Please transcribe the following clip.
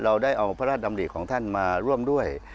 เราได้เอาพระราชดำริของท่านมาร่วมด้วย